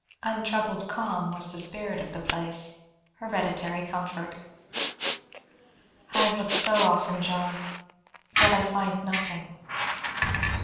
Untroubled calm was the spirit of the place, hereditary comfort. "I have looked so often, John. Yet, I find nothing."